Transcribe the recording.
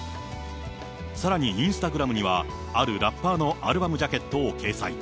さらにインスタグラムには、あるラッパーのアルバムジャケットを掲載。